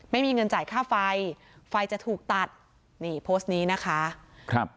ไม่มีเงินจ่ายค่าไฟไฟจะถูกตัดนี่โพสต์นี้นะคะครับ